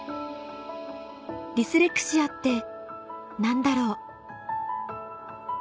ディスレクシアって何だろう？